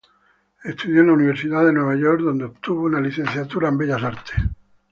Estudió en la Universidad de Nueva York, donde obtuvo una licenciatura en bellas artes.